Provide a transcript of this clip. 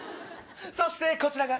そしてこちらが。